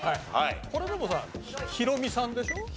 これでもさヒロミさんでしょ